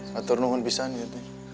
satu renungan pisahnya neng